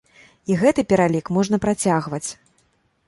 І гэты пералік можна працягваць.